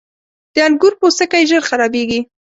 • د انګور پوستکی ژر خرابېږي.